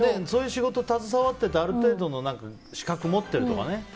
そういう仕事に携わっててある程度の資格持ってるとかね。